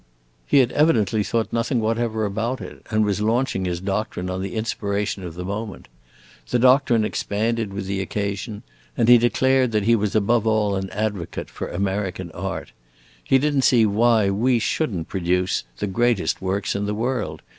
He had evidently thought nothing whatever about it, and was launching his doctrine on the inspiration of the moment. The doctrine expanded with the occasion, and he declared that he was above all an advocate for American art. He did n't see why we should n't produce the greatest works in the world.